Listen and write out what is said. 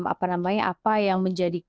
apa namanya apa yang menjadi